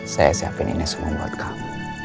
saya siapin ini semua buat kamu